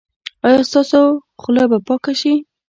ایا ستاسو خوله به پاکه شي؟